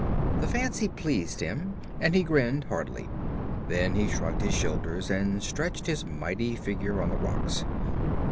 The fancy pleased him, and he grinned hardly. Then he shrugged his shoulders and stretched his mighty figure on the rocks.